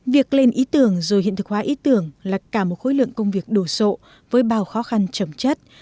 việc lên ý tưởng rồi hiện thực hóa ý tưởng là cả một khối lượng công việc đồ sộ với bao khó khăn chấm chất